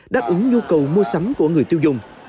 và nhu cầu mua sắm của người tiêu dùng